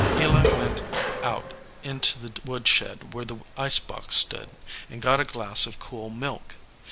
Eli went out into the woodshed where the ice box stood, and got a glass of cool milk.